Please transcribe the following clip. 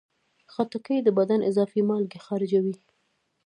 خټکی د بدن اضافي مالګې خارجوي.